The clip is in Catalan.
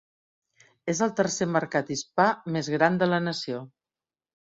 És el tercer mercat hispà més gran de la nació.